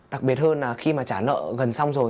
đặc biệt hơn là khi mà trả lợi gần xong rồi